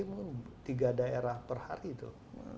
mungkin tiga daerah per hari itu